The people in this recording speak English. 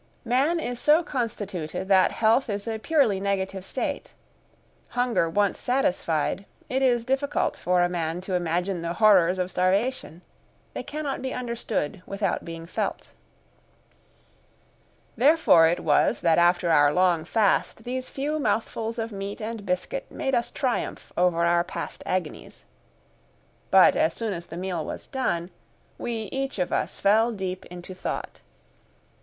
Man is so constituted that health is a purely negative state. Hunger once satisfied, it is difficult for a man to imagine the horrors of starvation; they cannot be understood without being felt. Therefore it was that after our long fast these few mouthfuls of meat and biscuit made us triumph over our past agonies. But as soon as the meal was done, we each of us fell deep into thought.